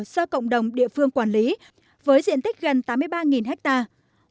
do cộng đồng địa phương quản lý với diện tích gần tám mươi ba hectare